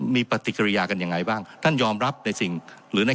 มีปฏิกิริยากันยังไงบ้างท่านยอมรับในสิ่งหรือใน